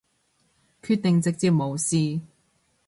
決定直接無視